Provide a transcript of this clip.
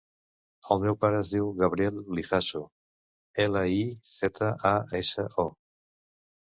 El meu pare es diu Gabriel Lizaso: ela, i, zeta, a, essa, o.